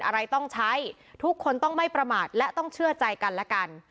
อะไรต้องใช้ทุกคนต้องไม่ประมาทและต้องเชื่อใจกันและกัน